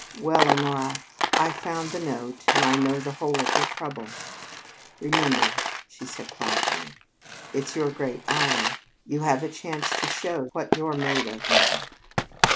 "Well, Honora, I found the note and I know the whole of your trouble. Remember," she said quietly, "it's your great hour. You have a chance to show what you're made of now."